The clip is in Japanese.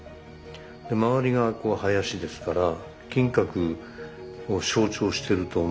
で周りが林ですから金閣を象徴してると思うんですけど。